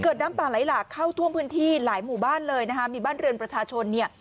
น้ำป่าไหลหลากเข้าท่วมพื้นที่หลายหมู่บ้านเลยนะคะมีบ้านเรือนประชาชนเนี่ย